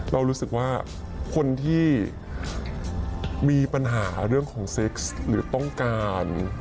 เรารู้สึกว่าคนที่มีปัญหาเรื่องของเซ็กซ์หรือต้องการ